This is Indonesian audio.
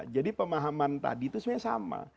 jadi pemahaman tadi itu sebenarnya sama